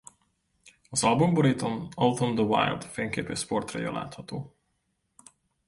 Az albumborítón Autumn de Wilde fényképész portréja látható.